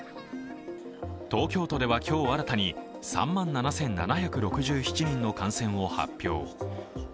東京都では今日新たに３万７７６７人の感染を発表。